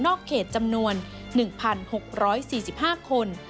เขตจำนวน๑๖๔๕คน